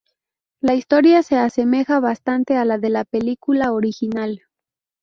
La historia se asemeja bastante a la de la película original.